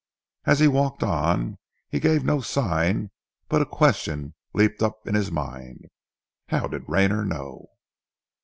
As he walked on, he gave no sign, but a question leaped up in his mind. "How did Rayner know?"